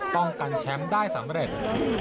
ป้องกันแชมป์ได้สำเร็จ